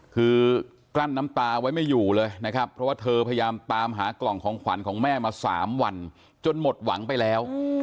คือกลั้นน้ำตาไว้ไม่อยู่เลยนะครับเพราะว่าเธอพยายามตามหากล่องของขวัญของแม่มา๓วันจนหมดหวังไปแล้ว